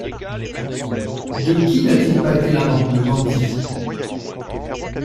De qui n'a-t-il pas été l'amant, le bandit ?